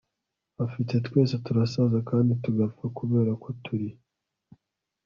afite twese turasaza kandi tugapfa kubera ko turi